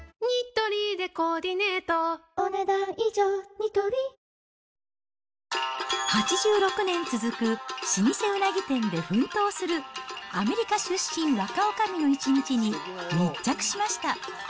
ニトリ８６年続く老舗うなぎ店で奮闘する、アメリカ出身若おかみの一日に、密着しました。